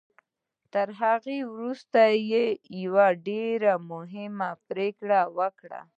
تر هغه وروسته يې يوه ډېره مهمه پريکړه وکړه.